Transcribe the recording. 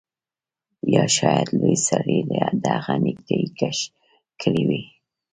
یا شاید لوی سړي د هغه نیکټايي کش کړې وي